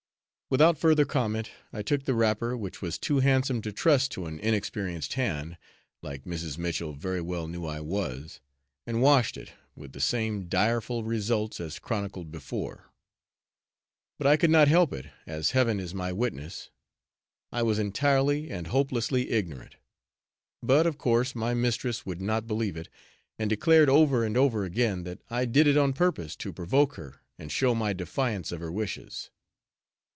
Without further comment, I took the wrapper, which was too handsome to trust to an inexperienced hand, like Mrs. Mitchell very well knew I was, and washed it, with the same direful results as chronicled before. But I could not help it, as heaven is my witness. I was entirely and hopelessly ignorant! But of course my mistress would not believe it, and declared over and over again, that I did it on purpose to provoke her and show my defiance of her wishes.